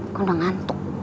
aku udah ngantuk